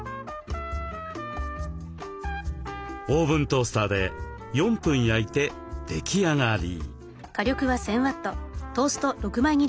オーブントースターで４分焼いて出来上がり。